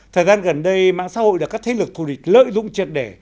thời gian gần đây mạng xã hội đã các thế lực thù địch lợi dụng triệt đẻ